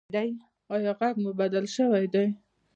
ایا غږ مو بدل شوی دی؟